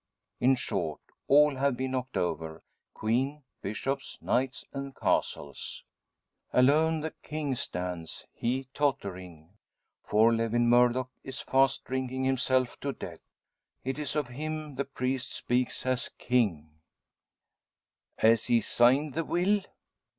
In short, all have been knocked over, queen, bishops, knights, and castles. Alone the king stands, he tottering; for Lewin Murdock is fast drinking himself to death. It is of him the priest speaks as king: "Has he signed the will?"